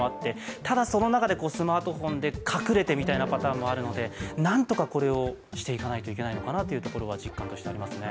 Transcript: ただ、その中で、スマートフォンで隠れてみたいなパターンもあるので何とかこれをしていかないといけないのかなというのは実感としてありますね。